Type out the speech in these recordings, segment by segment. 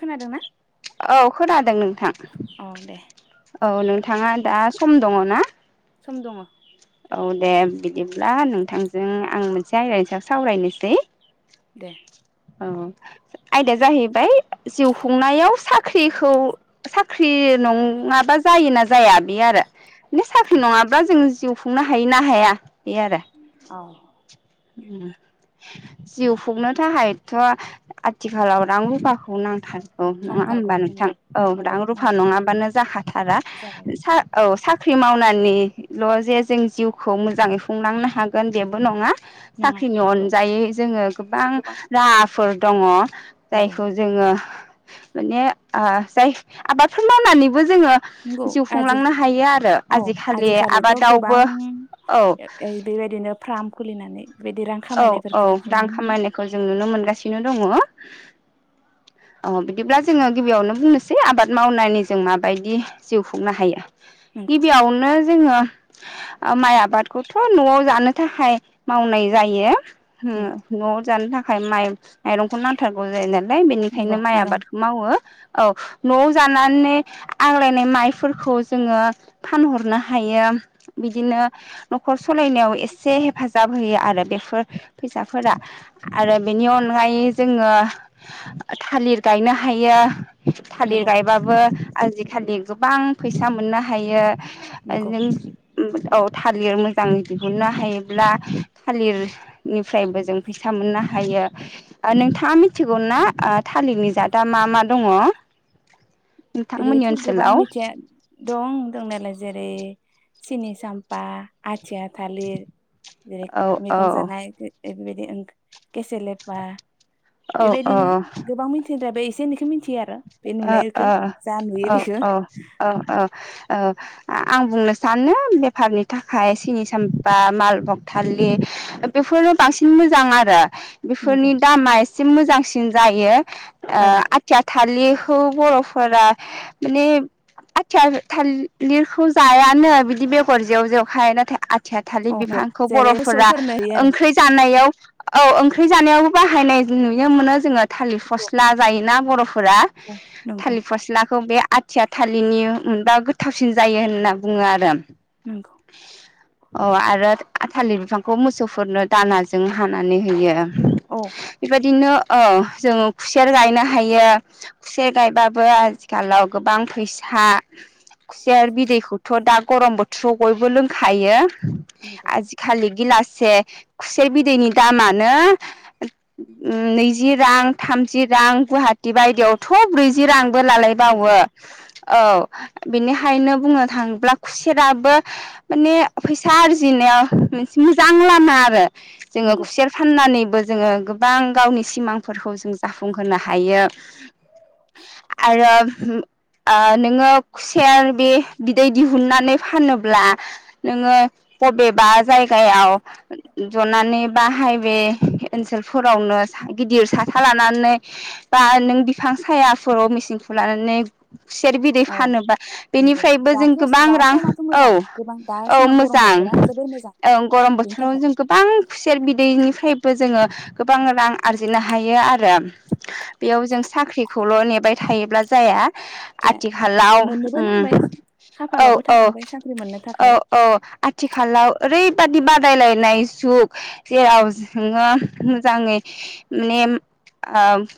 खोनादोंना? औ खोनादों नोंथां अ दे औ नों नोंथाङा दा सम दङ ना? सम दङ'। औ दे बिदिब्ला नोंथांजों आं मोनसे आयदानि सायाव सावरायनोसै दे। औ आयदाया जाहैबाय जिउ खुंनायाव साख्रिखौ साख्रि नङाबा जायोना जाया बे आरो माने सा नङाबा जों जिउ खुंनो हायो ना हाया? बे आरो। औ उम जिउ खुंनो थाखाय थ' आथिखालाव रां रुफाखौ नांथार गौ नङा नांथारगौ होमबा नोंथां? नंगौ औ नंगौ रां रुफा नांगौ नङाबानो जाखाथारा औ जाबाय सा साख्रि मावनानैल' जे जों जिउखौ मोजाङै खुंलांनो हागोन बेबो नङा नङा साख्रिनि अनजायै जोंङो गोबां राहाफोर दंङ' नंगौ जायखौ जोंङो माने आ जाय आबादफोर मावनानैबो जोंङो नंगौ जिउ आजि खुंलांनो हायो आरो औ आजिखालि आजिखालिथ' गोबां आबादावबो औ। बेबायदिनो फार्म खुलिनानै बेबायदि रां औ औ खामायनायफोरखौ रां नुनो मोनो खामायनायखौ जों नुनो मोनगासिनो दङ'। अ बिदिब्ला जोंङो गिबियावनो बुंनोसै आबाद मावनानै जों माबायदि जिउ खुंनो हायो। नंगौ गिबियावनो जोङो माय आबादखौथ' न'आव जानो थाखाय मावनाय जायो। नंगौ अम न' जानो था खाय माय मायरंखौ नांथारगौ जायो नालाय। नंगौ बेनिखायनो माय माइरं आबादखौ मावो। औ न'आव जानानै आग्लायनाय मायफोरखौ जोंङो फानहरनो हायो। बिदिनो न'खर सालायनायाव एसे हेफाजाब होयो आरो। बेफोर फैसाफोरा आरो बेनि अनगायै जोंङो थालिर गायनो हायो। थालिर नंगौ गायबाबो आजि खालि गोबां फैसा मोननो हायो। नंगौ [unintelligible] उम औ थालिर मोजां दिहुननो हायोब्ला थालिर नि फ्रायबो जों फैसा मोननो हायो। नोंथाङा मिथिगौ ना ओ थालिरनि जादआ मा मा दङ'? नोंथांमोननि ओरैथ' गोबां ओनसोलाव मिथिया दं दंनायालाय जेरै सिनि साम्फा आथिया थालिर जेरै औ औ मैगं जानाय एफोर बादि केसे लेपा औ बेबायदिनो औ गोबां मिथिद्राय बे एसे एनैखौ मिन्थियो आरो बे अ नुनायखौ अ जा नुयो औ बेखौ औ औ औ औ आं बुंनो सानो बेफारनि थाखाय सिनि साम्फा माल भगथालिर बेफोरो बांसिन मोजां आरो नंगौ बेफोरनि दामा एसे एसे मोजांसिन जायो ओ औ आथिया थालिर खौ बर'फोरा माने आथिया थालिरखौ जायानो बिदि बेगर जेव जेवखाय नाथाय आथिया थाालिर औ नंगौ बिफांखौ जेरै बर'फोरा मोसौफोरनो होयो आरो ओंख्रि जानायाव औ ओं ओंख्रि जानायावबो बाहायनाय नुनो मोनो जोङो थालिर फस्ला जायोना बर'फोरा फोरा नंगौ थालिर फस्लाखौ बे आथिया थाालिरनि मोनबा गोथावसिन जायो होनना बुङो आरो नंगौ अ आरो थालिर बिफांखौ मोसौफोरनो दानाजों हानानै होयो औ बेबायदिनो औ जोंङो खुसेर गायनो हायो खुसेर गायबाबो आथिखालाव गोबां फैसा खुसेर बिदैखौथ' दा गरम बोथोराव बयबो लोंखायो नंगौ आजि खालि गिलाससे खुसेर बिदैनि दामानो नैजि रां थामजि रां गुवाहाटि बायदियावथ' ब्रैजि रां लालाय बावो नंगौ औ बेनिखायनो बुंनो थाङोब्ला खुसेराबो माने फैसा आरजिनायाव मोनसे मोजां लामा आरो जोङो नंगौ खुसेर फाननानै जोङो गोबां गावनि सिमांफोरखौ जों जाफुंहोनो हायो आरो आ नोङो खुसेर बि बिदै दिहुननानै फानोब्ला ब्ला नोङो बबेबा जायगायाव जनानै बाहाइ बे ओनसोलफोरावनो गिदिर साथा लानानै बा नों बिफां सायाफोराव मेसेंखौ लानानै खुसेर बिदै अ फानोबा नंगौ बेनिफ्रायबो जों दाथ' गोबां दा रां समाथ' औ मोजां गोबां दा औ समा गरम मोजां बोथोरा जोबोर मोजां औ गरम बेनि बोथोराव थाखाय जों गोबां खुसेर बिदैनिफ्राय बयबो जोङो गोबां रां आरजिनो हायो आरो बेयाव जों साख्रिखौल' नेबाय थायोब्ला जाया आथिखालाव मोननोबो उम नांबाय औ खाफालावबो थानांबाय साख्रि मोननो औ थाखाय औ आथिखालाव ओ ओरैबादि बादायलायनाय जुग जेराव जोङो मोजाङै माने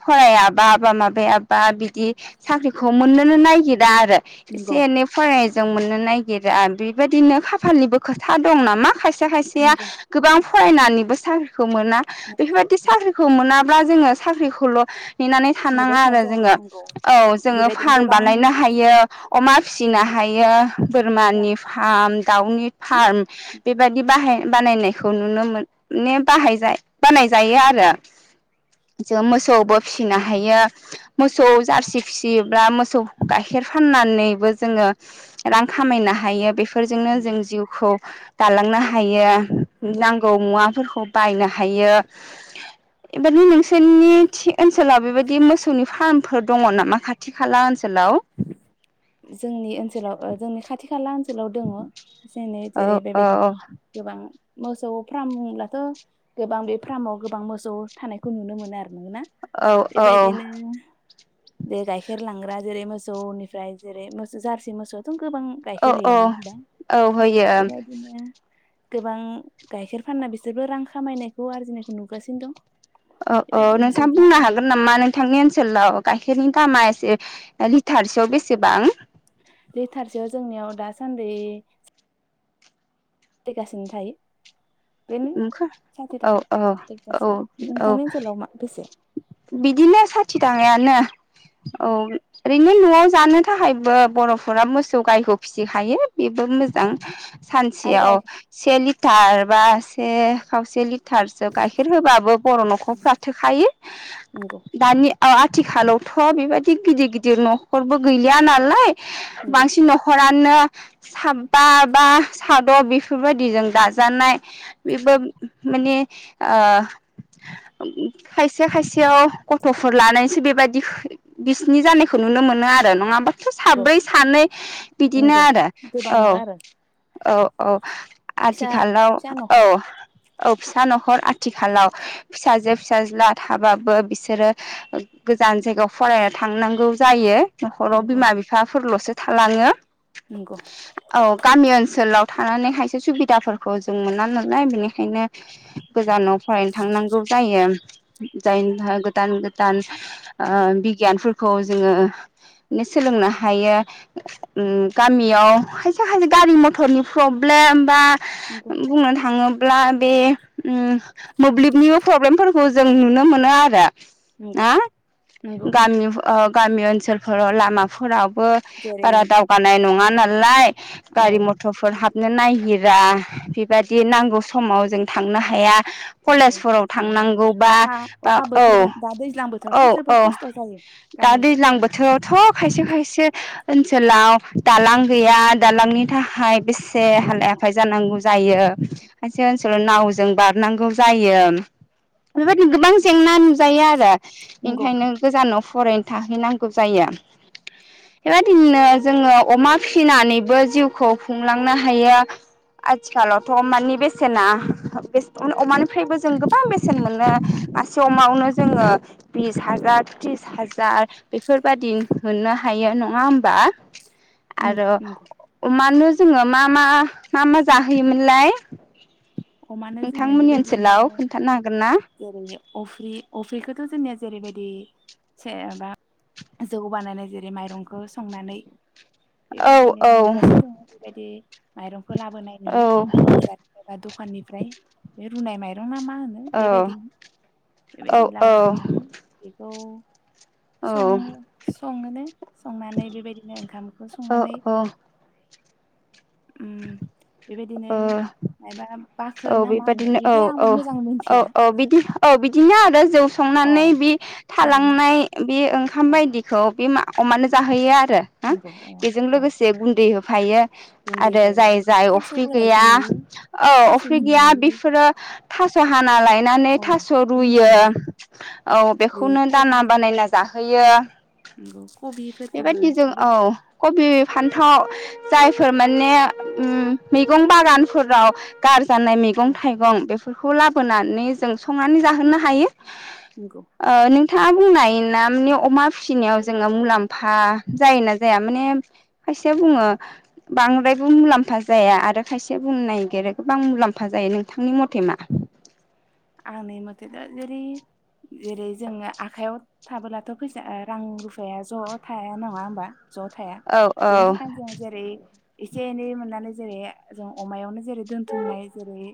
फरायाबा बा माबायाबा बिदि साख्रिखौ मोननोनो नागिरा आरो एसे नंगौ एनै फराय जों मोननो नाय गिरा‌ बिबायदिनो खाफालनिबो खोथा दं नामा खायसे खायसेया नंगौ गोबां फरायनानै बो सार खौ मोना बेफोरबायदि साख्रिखौ मोना बा जोङो साख्रिखौल' नेनानै नेबाय थानाङा थाया आरो जाया जोङो नंगौ औ जोङो बेबायदिनो फार्म गोबां बानायनो हायो अमा फिसिनो हायो। माबाफोरा बोरमानि फार्म दाउनि फार्म बेबादि बाहाय बानायनायखौ नुनो मोन ने बाहाय जा बानाय जायो आरो जों मोसौबो फिसिनो हायो मोसौ जारसि फिसियोब्ला मोसौ गाइखेर फाननानैबो जोङो रां खामायनो हायो बेफोरजोंनो जों जिउखौ दालांनो हायो नांगौ मुवाफोरखौ बायनो हायो बेबादि नोंसोरनि थि ओनसोलाव बेबायदि मोसौनि फार्मफोर दङ नामा खाथि खाला ओनसोलाव? जोंनि ओनसोलाव ओ जोंनि खाथ थि खाला ओन ओनसोलाव दङ जेनै औ जेरै औ बेबायदि गोबां मोसौ फ्राम होनब्लाथ' गोबां बे फ्रामाव गोबां मोसौ थानायखौ नुनो मोनो आरो नोंगोना औ औ बेबायदिनो दे गाइखेर लांग्रा जेरै मोसौनिफ्राय जेरै मोसौ जारसि मोसौ थ' गोबां औ गाइखेर होयो औ नङा होमबा औ होयो बेबायदिनो गोबां गाइखेर फानना बिसोरबो रां खामायनायखौ आरजिनायखौ नुगासिनो दं औ औ बेबायदि मोसौ नोंथां बुंनो फार्म हागोन नामा नोंथांनि ओनसोलाव गाइखेरनि दामा एसे लिटारसेयाव बेसेबां? लिटारसेयाव जोंनियाव दासान्दै बेखासिन थायो। बेनो साथि औ थाखा औ औ लिटारसेयाव औ नोंथांनि ओनसोलाव मा बेसे बिदिनो साथि थाखायानो औ ओरैनो न'आव जानो थाखायबो बर'फोरा मोसौ गायखौ फिसिखायो बेबो औ मोजां आरो सानसेयाव गाय से लि थार बा स से खावसे लि थारसो गाइखेर होबाबो बर' न'खरफ्रा थोखायो नंगौ दानि औ आथिखालावथ' बेबायदि गिदिर गिदिर न'खरबो गैलिया नालाय नंगौ बांसिन न'खरानो साबा बा साद' बेफोरबायदिजों दाजानाय। [unintelligible] माने ओ खायसे खायसेयाव गथफोर लानायनैसो बेबायदि खोन बिसनि जानायखौ नुनो मोनो आरो नङा बा नंगौ साब्रै सानै बिदिनो नंगौ आरो गोबां औ नुवा आरो औ औ आथिखालाव औ हर औ फिसा न'खर आथिखालाव फिसाजो फिसाज्ला थाबाबो बिसोरो गोजान जायगायाव फरायनो थांनांगौ जायो। न'खराव नंगौ बिमा बिफाफोरल'सो थालाङो नंगौ औ गामि ओनसोलाव थानानै खायसे सुबिदाफोरखौ जों मोनानो नाय बिनिखायनो गोजानाव फरायनो थांनांगौ जायो नंगौ जायनि गोदान गोदान ओ बिगियानफोरखौ जोङो सोलोंनो हायो ओम गामियाव खायसे खायसे गारि मटरनि प्रब्लेम बा नंगौ बुंनो थाङो थाङोब्ला बे उम मोब्लिबनि प्रब्लेमफोरखौ जों नुनो मोनो आरो नंगौ ना नंगौ गामि ओ गामि ओनसोलफोराव लामाफोराव। जेरै बारा दावगानाय नङा। नालाय औ गारि मथरफोर हाब बिनो नायगिरा बेबायदि बि नांगौ समाव जों थांनो हाया। नंगौ कलेजफोराव जेरै थांनांगौबा अखा बा अखा औ बोथोरबा दा दैज्लां औ बोथोरावथ' औ जोबोद खस्थ' जायो दा गामि दैज्लां बोथोरावथ' खायसे खायसे ओनसो ओनसोलाव दालां गैया दालांनि थाखाय बेसे जाना हालाइ हाफाइ जानानै जानांगौ जायो। [unintelligible] नावजों बारनांगौ जायो बेबायदिनो गोबां जेंना नुजायो आरो नंगौ बेनिखायनो गोजानाव फरायनो थाहैनांगौ जायो। बेबायदिनो जोङो अमा फिसिनानैबो जिउखौ खुंलांनो हायो आथिखालाव थ' अमानि बेसेना अमानिफ्रायबो जों गोबां बेसेन मोनो मासे अमायावनो जोङो बिस हाजार त्रिस हाजार बेफोरबदि मोननो हायो नङा होमबा नंगौ आरो नंगौ अमानो जोङो मा मा मा मा जाहोयोमोन? लाय अमानो जोङो बेबायदिनो खोन्थानो हागोन ना? जेरै अफ्रि अफ्रिखोथ' जोंनिया जेरैबायदि सेरहाबा जौ बानायनाय जेरै माइरंखौ संनानै औ बेबायदिनो औ नुगासिनो दङ बेबायदि माइरंखौ लाबोनाय नुयो औ बा बाजारनिफ्राय बा दखाननिफ्राय बे रुनाय माइरं [unintelligible] ना मा होनो औ बेबायदिनो औ बेबायदिनो लाबोनाय [unintelligible] औ सङो सङोनो संनानै बेबायदिनो ओंखामखौ संनानै औ उम औ बेबायदिनै [unintelligible] औ बेबादिनो औ औ औ मिथिया औ बिदि औ बि दिनो आरो जौ औ संनानै बि बिदिनो थालांनाय बे ओं खाम औ बायदिखौ बे मा अमानो जाहोयो आ रो हो नंगौ औ बेजों औ लोगोसे गुन्दै हो थायो आरो गुन्दैनिफ्राय जाय जाय थास' अफ्रि बोनायखौ गैया नुयो औ। थास' बे होनाय गैया नुयो बेफोरो थास' हाना लायनानै औ थास' रुयो रुनानै औ बे बेखौनो कबि दाना बानायना जाहो होयो। नंगौ कबिफोरखौबो [inaudible] औ कबि फान्थाव जायफोर माने उम मैगं बागानफोराव गार जानाय औ मैगं थाइगं बेफो फोरखौ लाबोनानै जों संनानै जाहोनो हायो। नंगौ ओ नोंथाङा बुंनाय नामनि अमा फिसिनायाव जोङो मुलाम्फा जायोना जाया माने खायसेया बुङो बांद्रायबो मुलाम्फा जाया आरो खायसेया बुं नागेरो बां मुलाम्फा जायो नोंथांनि मथे मा? आंनि मथेथ' जेरै जेरै जोङो आखाइयाव थाबालाथ' फैसा रां रुफाया ज' थाया नङा होमबा? ज' थाया औ औ बेनि थाखायनो जों जेरै एसे एनै मोननानै जेरैहे जों अमायावनो जेरै दोन्थुमनाय जेरै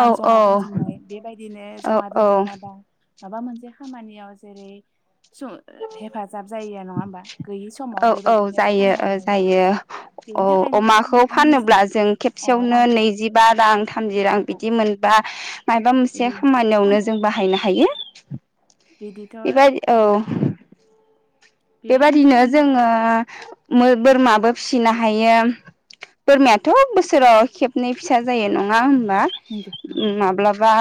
औ जमा दोनथुमनाय। बेबायदिनो जमा औ दोनथुमनाय बा माबा मोनसे खामानियाव जेरै [unintelligible] हेफाजाब जायो नङा होमबा गैयि समाव औ औ बेबायदिनो जायो ओ फाननानै जायो बेनि औ थाखायनो अमाखौ आंनि फानोब्ला जों अ खेबसेयावनो रांखौ नैजिबा रां थाम बिदि मोनबा माबा मोनसे बिदि खामना लायो जों बाहायनो हायना। थायो बिदिथ' आरो बेबायदिनो बेबादिनो फाहाम जोङो बोरमाबो फिसिनो हायो बोरमायाथ' बोसोराव खेबनै फिसा जायो नङा बा नंगौ नंगौ माब्लाबा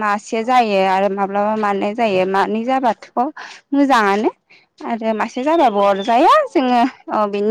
मासे जायो आरो माब्लाबा मानै जायो मानै जाबाथ'खौ मोजाङानो आरो मास मासे जाबाबो अरजाया जोङो अ बिनि